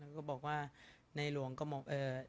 สงฆาตเจริญสงฆาตเจริญ